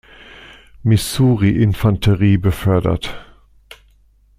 Missouri Infanterie befördert.